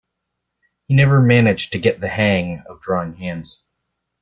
He never managed to get the hang of drawing hands.